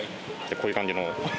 こういう感じの。